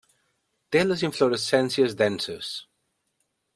Té les inflorescències denses.